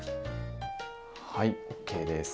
はいＯＫです。